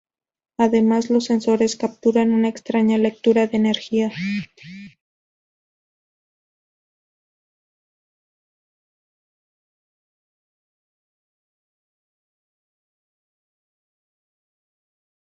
Además los sensores captan una extraña lectura de energía.